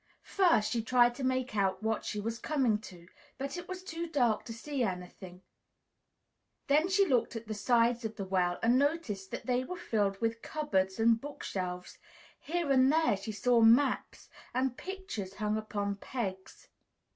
First, she tried to make out what she was coming to, but it was too dark to see anything; then she looked at the sides of the well and noticed that they were filled with cupboards and book shelves; here and there she saw maps and pictures hung upon pegs.